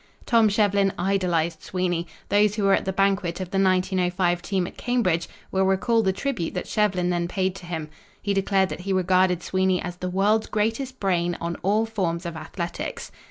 Tom Shevlin idolized Sweeney. Those who were at the banquet of the 1905 team at Cambridge will recall the tribute that Shevlin then paid to him. He declared that he regarded Sweeney as "the world's greatest brain on all forms of athletics."